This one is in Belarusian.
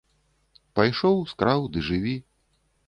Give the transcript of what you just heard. Пайшоў, скраў, ды жыві!